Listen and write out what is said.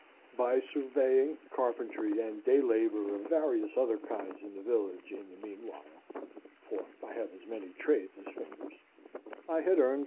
By surveying, carpentry, and day labor of various other kinds in the village in the mean while, for I have as many trades as fingers, I had earned $13.